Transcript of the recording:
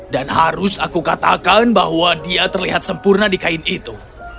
dan harus aku katakan bahwa dia terlihat sempurna di kain itu